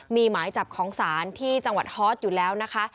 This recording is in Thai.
มีหมายจับของศาลที่จังหวัดฮอตอยู่แล้วนะคะ